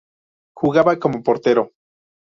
Jugaba como portero.